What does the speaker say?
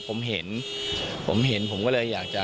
แต่อันนี้ผมเห็นผมก็เลยอยากจะ